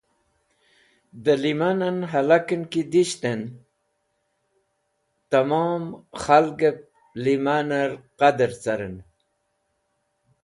Dẽ lẽmanẽn hẽlakẽn ki disht dẽn tamom khalgẽb lẽmanẽr qardẽr carẽn